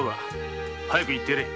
早く行ってやれ！